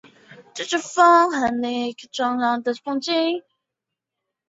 是三个雅加达时区中西端第一个。